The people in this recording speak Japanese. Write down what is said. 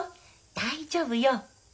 大丈夫よ。